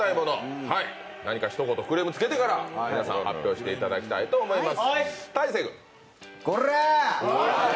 何か一言クレームつけてから皆さん発表していただきたいと思います。